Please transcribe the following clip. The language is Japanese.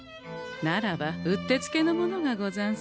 ならばうってつけのものがござんす。